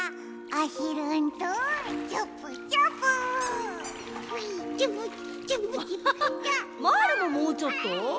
アハハまぁるももうちょっと？